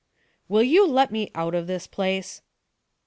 "Will you let me out of this place?"